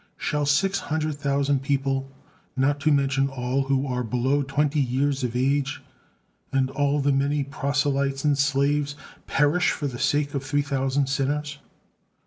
Shall six hundred thousand people not to mention all who are below twenty years of age, and all the many proselytes and slaves perish for the sake of three thousand sinners?"